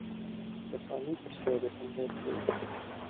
دەتوانی پرسیارێکم بۆ بکەی